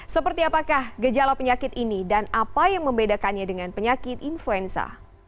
seperti apakah gejala penyakit ini dan apa yang membedakannya dengan penyakit influenza